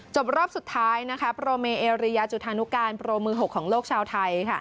รอบสุดท้ายโปรเมเอเรียจุธานุการโปรมือ๖ของโลกชาวไทย